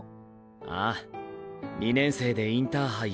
ああ２年生でインターハイ